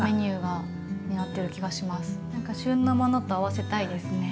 何か旬のものと合わせたいですね。